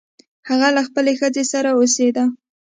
هغه له خپلې ښځې سره اوسیده.